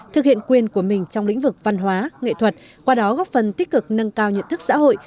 thực hiện quyền của mình trong lĩnh vực văn hóa nghệ thuật qua đó góp phần tích cực nâng cao nhận thức xã hội